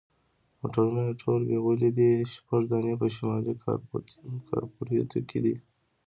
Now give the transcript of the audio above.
موټرونه یې ټول بیولي دي، شپږ دانې په شمالي کارپوریتو کې دي.